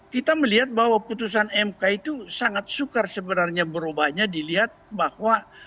kita melihat bahwa putusan mk itu sangat sukar sebenarnya berubahnya dilihat bahwa